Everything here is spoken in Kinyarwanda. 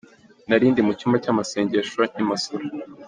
Narindi mu cyumba cy’amasengesho i Masoro .